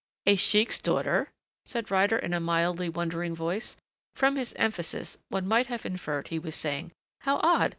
"A sheik's daughter ?" said Ryder in a mildly wondering voice. From his emphasis one might have inferred he was saying, "How odd!